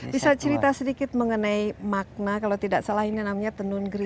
bisa cerita sedikit mengenai makna kalau tidak salah ini namanya tenun gering